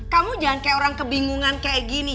kamu jangan kayak orang kebingungan kayak gini